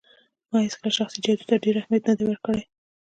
ما هيڅکله شخصي جايزو ته ډېر اهمیت نه دی ورکړی